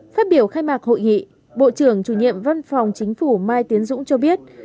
phát biểu khai mạc hội nghị bộ trưởng chủ nhiệm văn phòng chính phủ mai tiến dũng cho biết